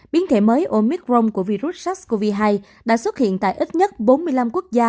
biến thể mới omicron của virus sars cov hai đã xuất hiện tại ít nhất bốn mươi năm quốc gia